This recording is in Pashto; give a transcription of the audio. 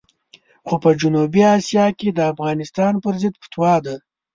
خو په جنوبي اسیا کې د افغانستان پرضد فتوا ده.